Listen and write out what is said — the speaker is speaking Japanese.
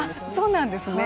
そうなんですね。